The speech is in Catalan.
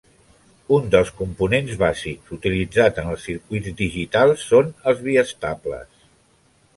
Un dels components bàsics utilitzats en els circuits digitals són els biestables.